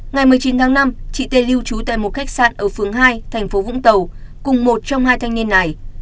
ngày một mươi chín tháng năm chị tê lưu trú tại một khách sạn ở phường hai thành phố vũng tàu cùng một trong hai thanh niên này